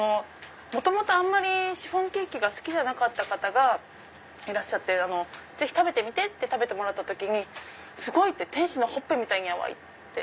元々あんまりシフォンケーキが好きじゃなかった方がいらしてぜひ食べてみて！って食べてもらった時に天使のほっぺみたいに柔い！って